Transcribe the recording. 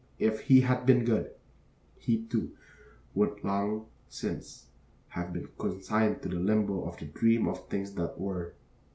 If he had been good, he, too, would long since have been consigned to the limbo of 'the dream of things that were.'